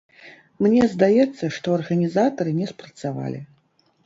Мне здаецца, што арганізатары не спрацавалі.